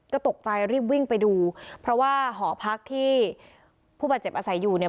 ก็ตกใจรีบวิ่งไปดูเพราะว่าหอพักที่ผู้บาดเจ็บอาศัยอยู่เนี่ย